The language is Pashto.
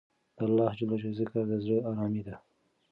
د اللهﷻ ذکر د زړه ارامي ده.